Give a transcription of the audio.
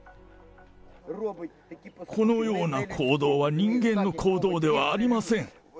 このような行動は人間の行動ではありません。